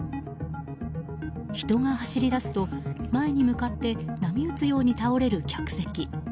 人が走り出すと、前に向かって波打つように倒れる客席。